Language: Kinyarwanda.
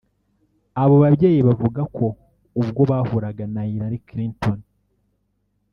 Abo babyeyi bavuga ko ubwo bahuraga na Hillary Clinton